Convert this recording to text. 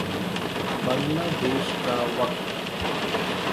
بنگلہ دیش کا وقت